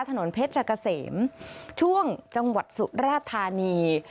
ถนนเพชรกะเสมช่วงจังหวัดสุราธานี